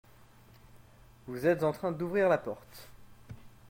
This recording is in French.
Vous êtes en train d’ouvrir la porte.